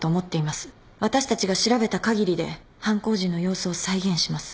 私たちが調べたかぎりで犯行時の様子を再現します。